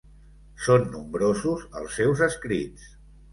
Són nombrosos els seus escrits.